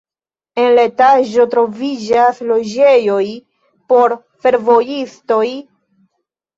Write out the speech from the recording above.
En la etaĝo troviĝas loĝejoj por fervojistoj.